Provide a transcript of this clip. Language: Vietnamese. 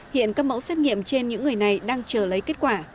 hiện các mẫu xét nghiệm trên những người này đang chờ lấy kết quả